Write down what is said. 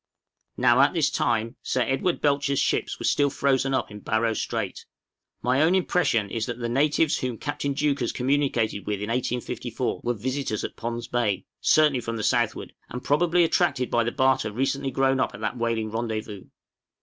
Now at this time Sir Edward Belcher's ships were still frozen up in Barrow Strait. My own impression is that the natives whom Captain Deuchars communicated with in 1854 were visitors at Pond's Bay certainly from the southward and probably attracted by the barter recently grown up at that whaling rendezvous.